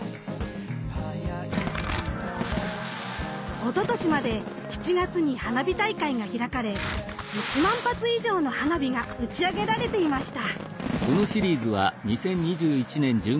おととしまで７月に花火大会が開かれ１万発以上の花火が打ち上げられていました。